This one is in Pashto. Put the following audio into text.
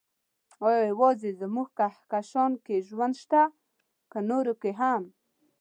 ايا يوازې زموږ کهکشان کې ژوند شته، که نورو کې هم؟